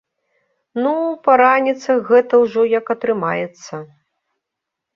Ну, па раніцах гэта ўжо як атрымаецца.